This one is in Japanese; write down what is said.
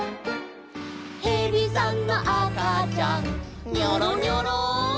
「へびさんのあかちゃんニョロニョロ」